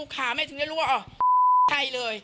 คาถึงได้รู้ว่า